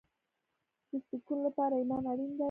د سکون لپاره ایمان اړین دی